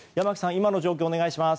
今の状況をお願いします。